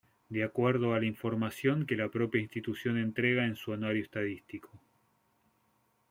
De acuerdo a la información que la propia institución entrega en su anuario estadístico.